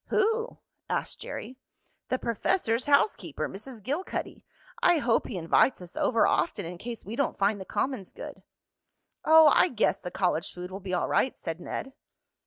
"Who?" asked Jerry. "The professor's housekeeper, Mrs. Gilcuddy. I hope he invites us over often, in case we don't find the commons good." "Oh, I guess the college food will be all right," said Ned.